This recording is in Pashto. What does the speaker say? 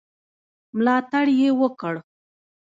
ملاتړ یې وکړ.